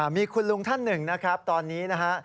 มีคุณลุงท่านหนึ่งนะครับตอนนี้นะฮะ